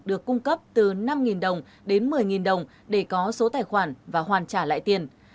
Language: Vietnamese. được cung cấp từ năm đồng đến một mươi đồng để có số tài khoản và hoàn trả lại tiền